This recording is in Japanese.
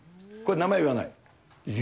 これ、名前言わない？